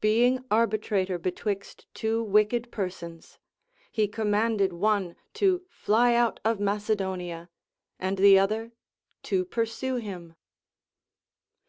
Being arbitrator betwixt two wicked persons, he commanded one to fiy out of Mace donia and the other to pursue him.